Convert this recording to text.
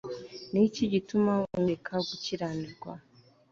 ni iki gituma unyereka gukiranirwa